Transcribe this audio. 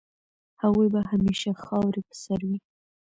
د هغوی به همېشه خاوري په سر وي